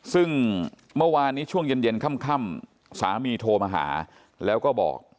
ซึ่งเมื่อวานนี้ช่วงเย็นค่ำสามีโทรมาหาแล้วก็บอก